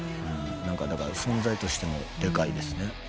だから存在としてもでかいですね。